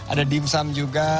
ada dimsum juga